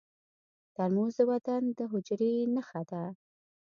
ترموز د وطن د حجرې نښه ده.